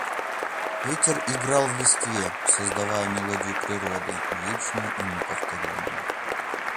Ветер играл в листве, создавая мелодию природы, вечную и неповторимую.